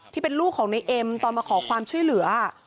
ที่เป็นลูกของในเอ็มตอนมาขอความช่วยเหลือ